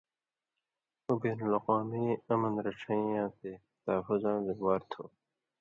او بین الاقوامی امن رَڇھئیں یاں تے تحفظاں ذموار تُھو۔